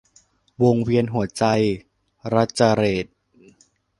วงเวียนหัวใจ - รจเรข